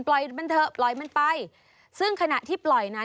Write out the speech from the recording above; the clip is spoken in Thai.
ปล่อยมันเถอะปล่อยมันไปซึ่งขณะที่ปล่อยนั้น